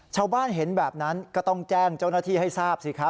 ชาวบ้านเห็นแบบนั้นก็ต้องแจ้งเจ้าหน้าที่ให้ทราบสิครับ